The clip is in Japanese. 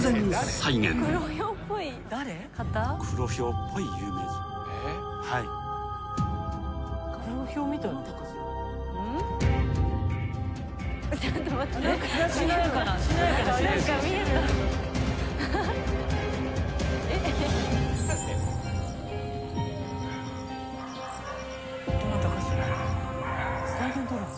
再現ドラマ？